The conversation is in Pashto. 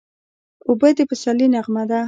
اوبه د پسرلي نغمه ده.